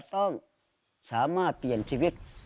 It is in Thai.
ต้องสามารถเปลี่ยนชีวิต